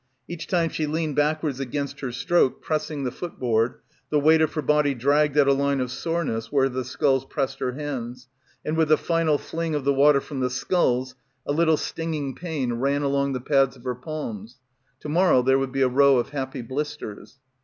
Each time she leaned backwards against her stroke, pressing the foot board, the weight of her body dragged at a line of soreness where the sculls pressed her hands, and with the final fling of the water from the sculls a little stinging pain — 201 — PILGRIMAGE ran along the pads of her palms. To morrow there would be a row of happy blisters.